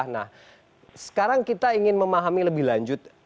nah sekarang kita ingin memahami lebih lanjut